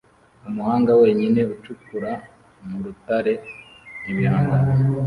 umuhanga wenyine ucukura mu rutare ibihangano